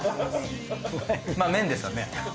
まあ麺ですよね。